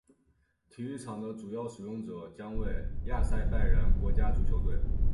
体育场的主要使用者将为亚塞拜然国家足球队。